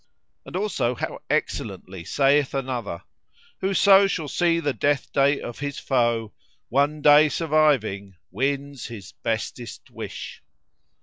And also how excellently saith another, 'Whoso shall see the death day of his foe, * One day surviving, wins his bestest wish.'"